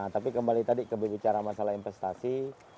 tapi kembali tadi ke bicara masalah investasi